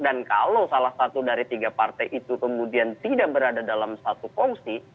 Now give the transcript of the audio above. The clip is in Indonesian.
dan kalau salah satu dari tiga partai itu kemudian tidak berada dalam satu kongsi